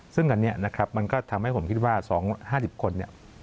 ซึ่งอันนี้นะครับมันก็ทำให้ผมคิดว่า๒๕๐คนเนี่ย